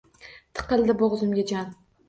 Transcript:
Tiqildi bo‘g‘zimga jon!